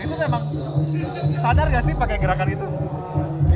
itu memang sadar gak sih pakai gerakan itu